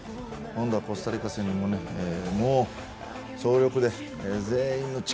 今度はコスタリカ戦も総力で全員の力